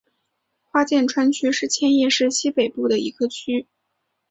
花见川区是千叶市西北部的一个区。